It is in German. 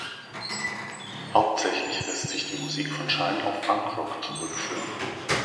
Hauptsächlich lässt sich die Musik von Schein auf Funk-Rock zurückführen.